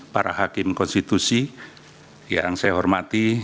para hakim konstitusi yang saya hormati